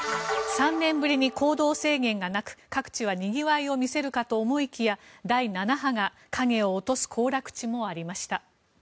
３年ぶりに行動制限がなく各地はにぎわいを見せるかと思いきや第７波が影を落とす行楽地もありました。